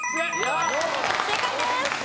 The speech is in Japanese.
正解です。